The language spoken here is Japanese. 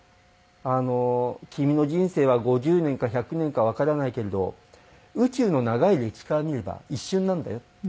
君の人生は５０年か１００年かわからないけれど宇宙の長い歴史から見れば一瞬なんだよって。